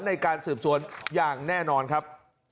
ในการสืบสวนอย่างแน่นอนครับ